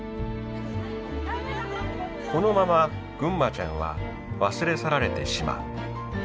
「このままぐんまちゃんは忘れ去られてしまう」。